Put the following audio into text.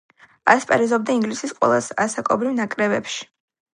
ასპარეზობდა ინგლისის ყველა ასაკობრივ ნაკრებებში.